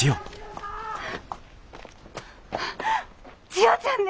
千代ちゃんね！